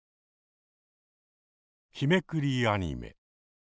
「日めくりアニメ」。